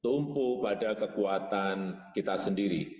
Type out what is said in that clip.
tumpu pada kekuatan kita sendiri